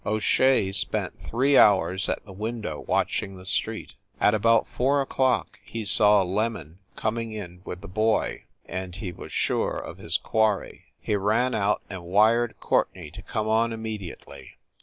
O Shea spent three hours at the window watching the street. At about four o clock he saw "Lemon" coming in with the boy, and he was sure of his quarry. He ran out and wired Courtenay to come on immediately.